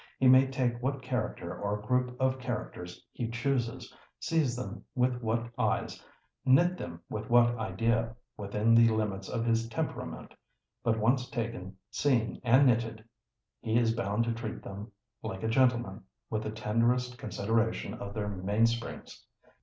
He may take what character or group of characters he chooses, see them with what eyes, knit them with what idea, within the limits of his temperament; but once taken, seen, and knitted, he is bound to treat them like a gentleman, with the tenderest consideration of their mainsprings.